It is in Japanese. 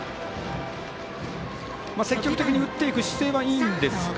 積極的に打っていく姿勢はいいんですか。